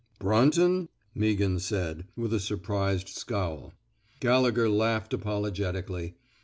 B run ton ?" Meaghan said, with a sur prised scowl. Gallegher laughed apologetically.